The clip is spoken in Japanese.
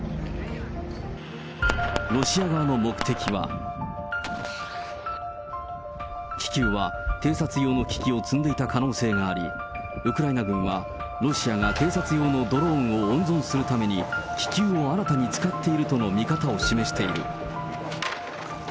ロシア側の目的は、気球は偵察用の機器を積んでいた可能性があり、ウクライナ軍はロシアが偵察用のドローンを温存するために気球を新たに使っているとの見方を示している。